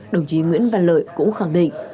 đồng chí nguyễn văn lợi cũng khẳng định